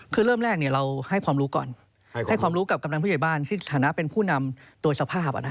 คือเริ่มแรกเราให้ความรู้ก่อนให้ความรู้กับกำลังผู้ใหญ่บ้านที่ฐานะเป็นผู้นำตัวสภาพ